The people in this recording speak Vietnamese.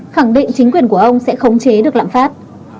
khẳng định chính quyền của ông sẽ khống chế được lạm phát